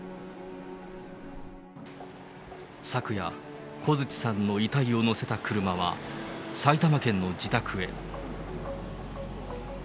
昨夜、小槌さんの遺体を乗せた車は埼玉県の自宅へ。